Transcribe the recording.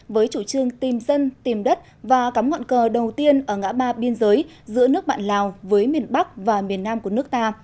với chủ trương tìm dân tìm đất và cắm ngọn cờ đầu tiên ở ngã ba biên giới giữa nước bạn lào với miền bắc và miền nam của nước ta